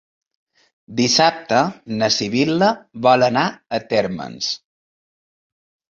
Dissabte na Sibil·la vol anar a Térmens.